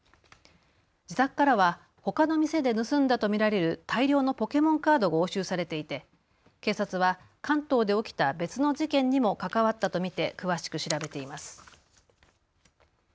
自宅からは、ほかの店で盗んだと見られる大量のポケモンカードが押収されていて警察は関東で起きた別の事件にも関わったと見て詳しく調べています。